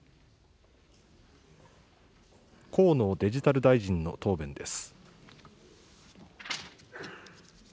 河野デジタル大臣の答弁です。